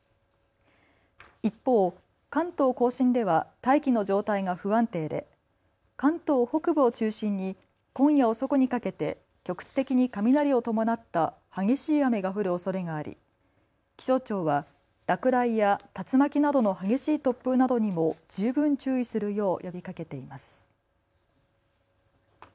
一方、関東甲信では大気の状態が不安定で関東北部を中心に今夜遅くにかけて局地的に雷を伴った激しい雨が降るおそれがあり気象庁は落雷や竜巻などの激しい突風などにも十分注意するよう呼びかけています。